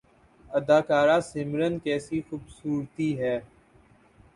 اداکارہ سمرن کیسی خوبصورتی ہے